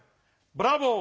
ブラボー。